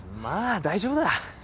まあ大丈夫だ。